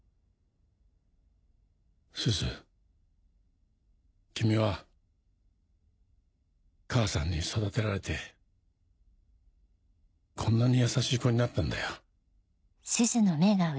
「すず君は母さんに育てられてこんなに優しい子になったんだよ。